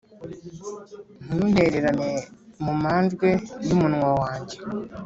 ntuntererane mu manjwe y’umunwa wanjye